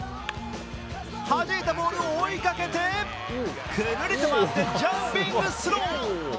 弾いたボールを追いかけてくるりと回ってジャンピングスロー。